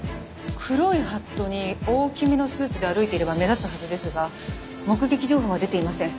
黒いハットに大きめのスーツで歩いていれば目立つはずですが目撃情報は出ていません。